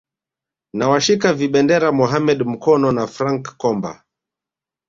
na washika vibendera Mohamed Mkono na Frank Komba